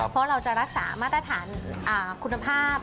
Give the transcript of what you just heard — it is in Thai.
เพราะเราจะรักษามาตรฐานคุณภาพ